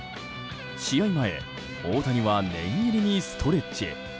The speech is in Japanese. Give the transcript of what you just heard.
試合前、大谷は念入りにストレッチ。